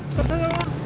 start aja bang